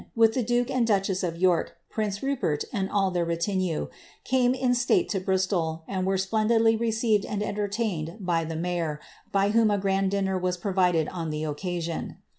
256 CATHARIJTB OF BRAOAMSA* the duke and duchess of York, prince Rupert, and all their retinue, cane in state to Bristol, and were splendidly received and CDtertained by the mayor, by whom a grand dinner was provided on the occaaion.